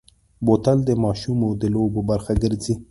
بوتل د ماشومو د لوبو برخه ګرځي.